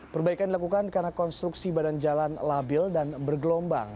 perbaikan dilakukan karena konstruksi badan jalan labil dan bergelombang